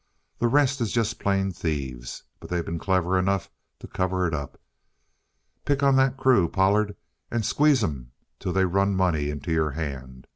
The rest is just plain thieves, but they been clever enough to cover it up. Pick on that crew, Pollard, and squeeze 'em till they run money into your hand.